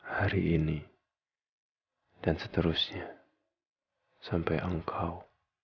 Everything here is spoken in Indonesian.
hari ini dan seterusnya sampai engkau